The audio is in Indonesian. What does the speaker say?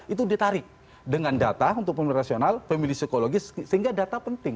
itu ditarik dengan data untuk pemilih rasional pemilih psikologis sehingga data penting